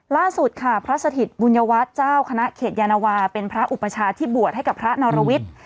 ล่าสุดค่ะพระสถิตบุญวัฒน์เจ้าคณะเขตยานวาเป็นพระอุปชาที่บวชให้กับพระนรวิทย์